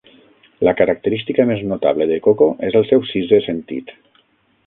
La característica més notable de Koko és el seu sisè sentit.